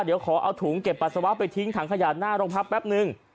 เดี๋ยวขอเอาถุงเก็บปัสสาวะไปทิ้งถังขยะหน้าโรงพักแป๊บนึง